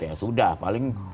ya sudah paling